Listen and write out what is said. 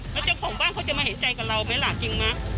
แล้วเจ้าของบ้านเขาจะมาเห็นใจกับเราไหมล่ะจริงไหม